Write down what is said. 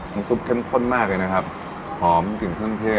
ซุปเข้มข้นมากเลยนะครับหอมกลิ่นเครื่องเทศ